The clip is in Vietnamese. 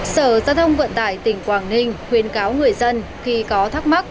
sở giao thông vận tải tỉnh quảng ninh khuyến cáo người dân khi có thắc mắc